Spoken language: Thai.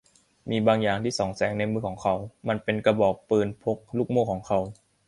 มีบางอย่างที่ส่องแสงในมือของเขา มันเป็นกระบอกปืนพกลูกโม้ของเขา